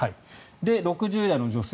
６０代の女性。